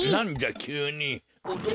きゅうに。